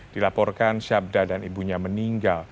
dilaporkan syabda dan ibunya meninggal